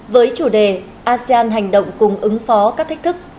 với chủ đề asean hành động cùng ứng phó các thách thức